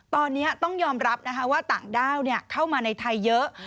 ตอนนี้ต้องยอมรับว่าต่างด้าวเข้ามาในไทยเยอะ